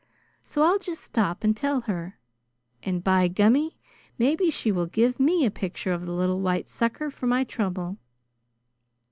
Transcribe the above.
So I'll just stop and tell her, and by gummy! maybe she will give me a picture of the little white sucker for my trouble."